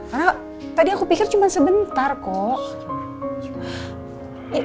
karena tadi aku pikir cuma sebentar kok